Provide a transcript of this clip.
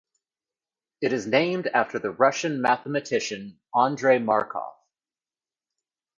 It is named after the Russian mathematician Andrey Markov.